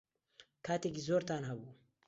کاتێکی زۆرتان هەبوو.